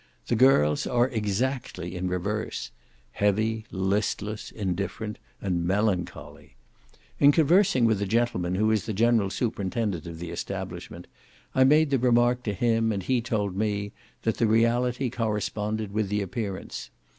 The girls are exactly in reverse; heavy, listless, indifferent, and melancholy. In conversing with the gentleman who is the general superintendant of the establishment, I made the remark to him, and he told me, that the reality corresponded with the appearance.